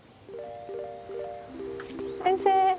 先生！